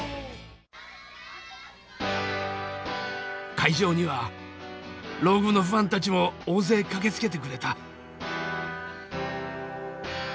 会場にはＲＯＧＵＥのファンたちも大勢駆けつけてくれた。